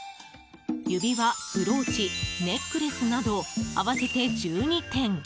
指輪、ブローチ、ネックレスなど合わせて１２点。